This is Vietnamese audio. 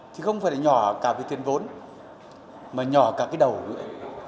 thì không phải nhỏ cả vì tiền vốn mà nhỏ cả cái đầu nữa